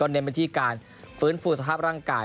เน้นไปที่การฟื้นฟูสภาพร่างกาย